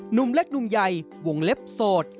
หนุ่มเล็กหนุ่มใหญ่วงเล็บโสด